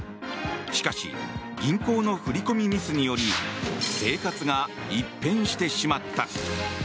しかし銀行の振り込みミスにより生活が一変してしまった。